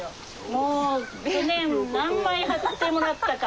もう去年何枚張ってもらったか。